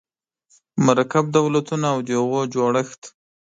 مرکب دولتونه او د هغوی جوړښت